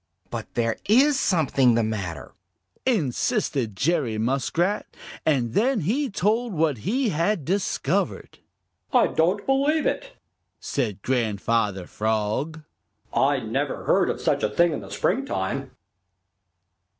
"But there is something the matter," insisted Jerry Muskrat, and then he told what he had discovered. "I don't believe it," said Grandfather Frog. "I never heard of such a thing in the springtime."